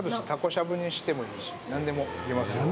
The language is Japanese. しゃぶにしても何でもいけます。